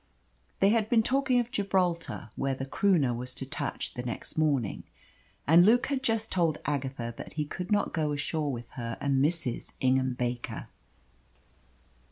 They had been talking of Gibraltar, where the Croonah was to touch the next morning, and Luke had just told Agatha that he could not go ashore with her and Mrs. Ingham Baker.